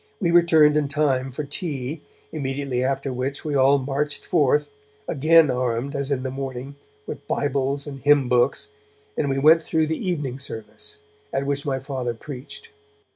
We returned in time for tea, immediately after which we all marched forth, again armed as in the morning, with Bibles and hymn books, and we went though the evening service, at which my Father preached.